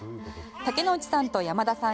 竹野内さんと山田さん